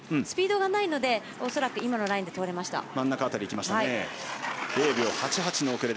スピードがないので恐らく今のラインで通れました。